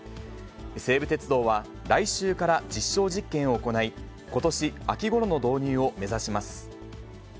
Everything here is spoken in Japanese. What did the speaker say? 西武鉄道は、来週から実証実験を行い、ことし秋ごろの導入を目指します。